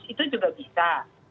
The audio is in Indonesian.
itu juga bisa